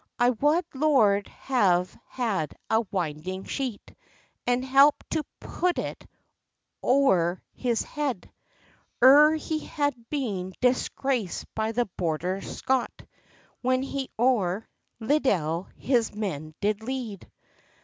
"I wad lourd have had a winding sheet, And helped to put it ower his head, Ere he had been disgraced by the Border Scot, When he ower Liddel his men did lead!"